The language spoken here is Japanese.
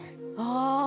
ああ。